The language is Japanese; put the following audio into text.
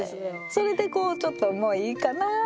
それでこうちょっともういいかなってまた。